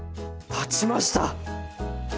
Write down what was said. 立ちました！